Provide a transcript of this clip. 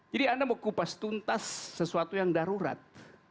jadi anda mau kupas tuntas sesuatu yang darurat